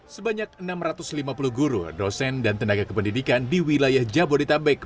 sebanyak enam ratus lima puluh guru dosen dan tenaga kependidikan di wilayah jabodetabek